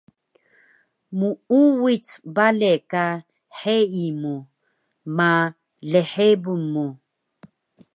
Muuwic bale ka heyi mu ma lhebun mu